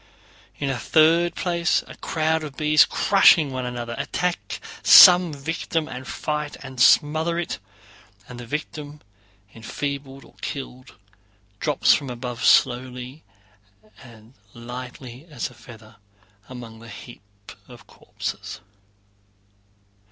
In a third place a crowd of bees, crushing one another, attack some victim and fight and smother it, and the victim, enfeebled or killed, drops from above slowly and lightly as a feather, among the heap of corpses.